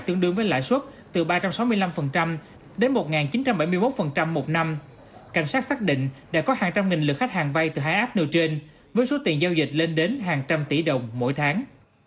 tương đương với lãi suất từ ba trăm sáu mươi năm đến một chín trăm bảy mươi một một năm cảnh sát xác định đã có hàng trăm nghìn lượt khách hàng vay từ tháng bốn đến tháng năm